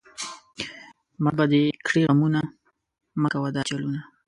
مړ به دې کړي غمونه، مۀ کوه دا چلونه